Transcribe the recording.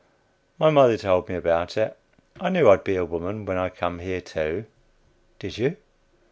My mother told me about it. I knew I'd be a woman when I come here, too. [Did you?